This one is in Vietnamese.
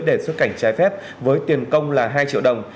để xuất cảnh trái phép với tiền công là hai triệu đồng